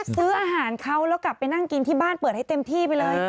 ซื้ออาหารเขาแล้วกลับไปนั่งกินที่บ้านเปิดให้เต็มที่ไปเลย